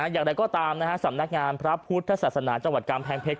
อย่างไรก็ตามสำนักงานพระพุทธศาสนาจังหวัดกำแพงเพชร